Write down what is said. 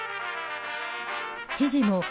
知事も。